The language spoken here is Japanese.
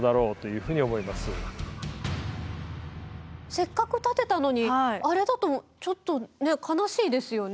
せっかく建てたのにあれだとちょっと悲しいですよね。